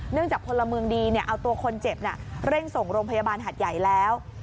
จากพลเมืองดีเอาตัวคนเจ็บเร่งส่งโรงพยาบาลหัดใหญ่แล้ว